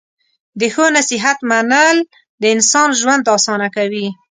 د ښو نصیحت منل د انسان ژوند اسانه کوي.